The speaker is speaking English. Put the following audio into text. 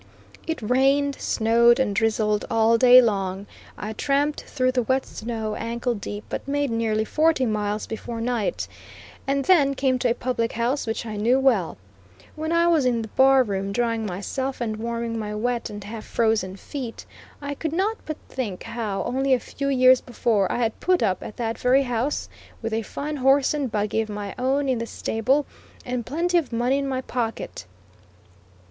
It rained, snowed, and drizzled all day long. I tramped through the wet snow ankle deep, but made nearly forty miles before night, and then came to a public house which I knew well. When I was in the bar room drying myself and warming my wet and half frozen feet, I could not but think how, only a few years before, I had put up at that very house, with a fine horse and buggy of my own in the stable, and plenty of money in my pocket.